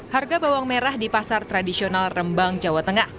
harga bawang merah di pasar tradisional rembang jawa tengah